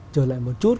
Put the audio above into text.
trở lại một chút